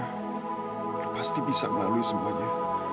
kita pasti bisa melalui semuanya